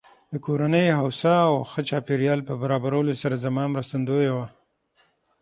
د کورنۍ هوسا او ښه چاپېريال په برابرولو سره زما مرستندويه وه.